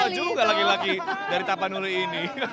ada juga laki laki dari tapanuli ini